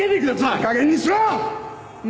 いいかげんにしろ！